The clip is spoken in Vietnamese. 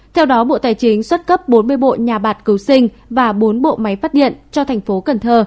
theo đó bộ tài chính xuất cấp bốn mươi bộ nhà bạc cứu sinh và bốn bộ máy phát điện cho thành phố cần thơ